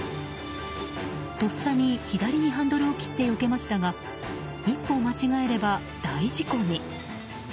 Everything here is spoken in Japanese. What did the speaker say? とっさに左ハンドルを切ってよけましたが一歩間違えれば大事故に。